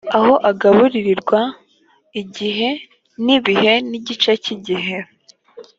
aho agaburirirwa igihe n ibihe n igice cy igihe